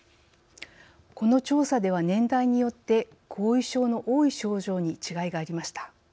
この調査では年代によって後遺症の多い症状に違いがありました。